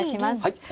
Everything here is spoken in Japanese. はい。